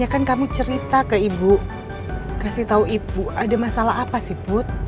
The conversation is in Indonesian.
ya kan kamu cerita ke ibu kasih tahu ibu ada masalah apa sih put